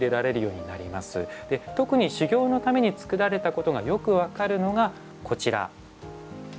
で特に修行のためにつくられたことがよく分かるのがこちら。